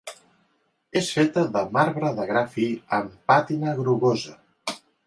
És feta de marbre de gra fi amb pàtina grogosa.